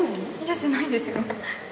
嫌じゃないですよ。